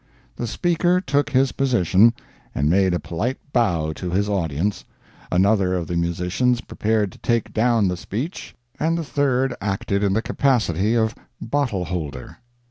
The speaker took his position and made a polite bow to his audience, another of the musicians prepared to take down the speech and the third acted in the capacity of bottle holder.